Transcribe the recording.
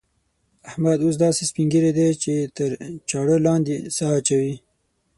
احمد اوس داسې سپين ږيری دی چې تر چاړه لاندې سا اچوي.